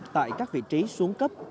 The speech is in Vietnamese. tại các vị trí xuống cấp